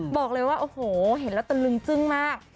บอกเลยว่าโอ้โหเห็นแล้วตะลึงจึ้งมาก